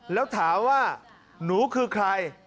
แล้วถามว่าหนูคือใคร